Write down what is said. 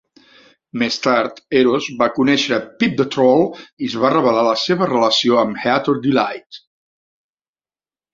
Més tard, Eros va conèixer Pip the Troll, i es va revelar la seva relació amb Heater Delight.